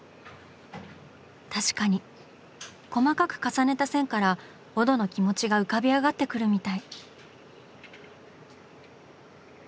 確かに細かく重ねた線からオドの気持ちが浮かび上がってくるみたい。